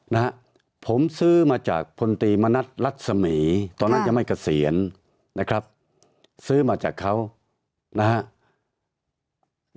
นะฮะผมซื้อมาจากพลตรีมณัฐรัศมีตอนนั้นจะไม่เกษียณนะครับซื้อมาจากเขานะฮะ